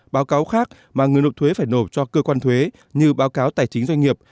báo cáo khác mà người nộp thuế phải nộp cho cơ quan thuế như báo cáo tài chính doanh nghiệp